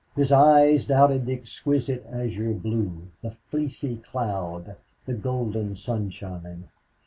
His eyes doubted the exquisite azure blue the fleecy cloud the golden sunshine.